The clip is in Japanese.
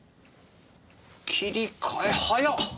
切り替え早っ！